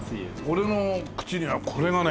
俺の口にはこれがね